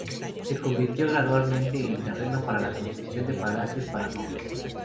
Se convirtió gradualmente en terreno para la construcción de palacios para nobles.